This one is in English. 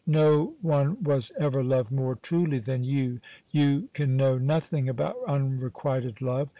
No one was ever loved more truly than you. You can know nothing about unrequited love.